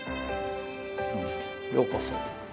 ようこそ。